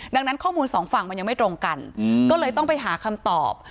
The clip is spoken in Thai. ดังนั้นข้อมูลสองฝั่งมันยังไม่ตรงกันก็เลยต้องไปหาคำตอบ